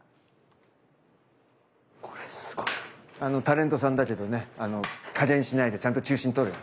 タレントさんだけどね加減しないでちゃんと中心とる。